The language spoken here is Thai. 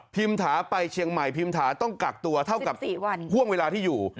ถาไปเชียงใหม่พิมถาต้องกักตัวเท่ากับห่วงเวลาที่อยู่